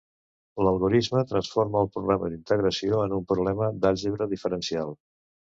L'algorisme transforma el problema d'integració en un problema d'àlgebra diferencial.